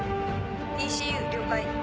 ＥＣＵ了解。